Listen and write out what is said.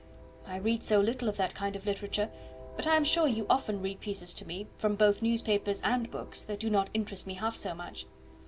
"I read so little of that kind of literature; but I am sure you often read pieces to me, from both newspapers and books, that do not interest me half so much."